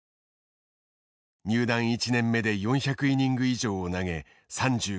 入団１年目で４００イニング以上を投げ３５勝をあげた。